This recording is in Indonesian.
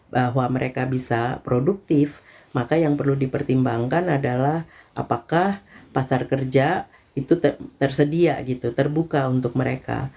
bahwa mereka bisa produktif maka yang perlu dipertimbangkan adalah apakah pasar kerja itu tersedia gitu terbuka untuk mereka